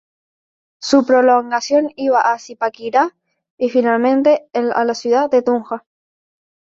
Su prolongación iba a Zipaquirá, y finalmente, a la ciudad de Tunja.